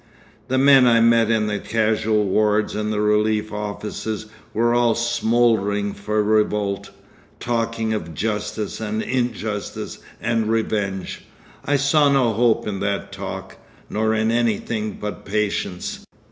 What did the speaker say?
The men I met in the casual wards and the relief offices were all smouldering for revolt, talking of justice and injustice and revenge. I saw no hope in that talk, nor in anything but patience....